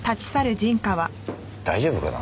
大丈夫かな？